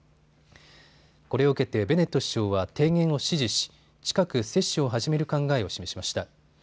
これを受けてベネット首相は提言を支持し、近く接種を始める考えを示しました。